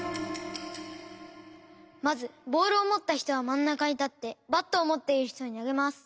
まずボールをもったひとはまんなかにたってバットをもっているひとになげます。